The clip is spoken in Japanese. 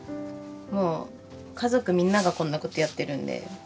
もう家族みんながこんなことやってるんで。